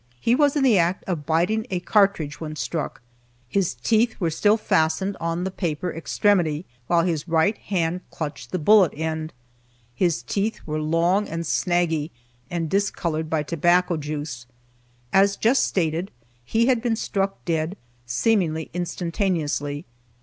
He was in the act of biting a cartridge when struck, his teeth were still fastened on the paper extremity, while his right hand clutched the bullet end. His teeth were long and snaggy, and discolored by tobacco juice. As just stated, he had been struck dead seemingly instantaneously.